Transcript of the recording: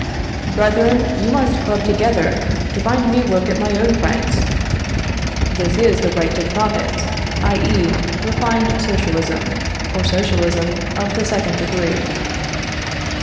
"Brethren, you must club together to find me work at my own price." This is the right to profit; i.e., refined socialism, or socialism of the second degree.